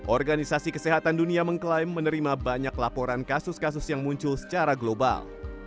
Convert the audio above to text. organisasi kesehatan dunia mengklaim menerima banyak laporan kasus kasus yang muncul secara global